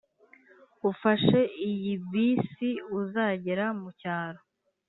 ufashe iyi bisi, uzagera mucyaro.